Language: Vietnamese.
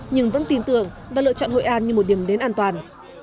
nhưng vẫn tin tưởng và lựa chọn hội an như một điểm đến an toàn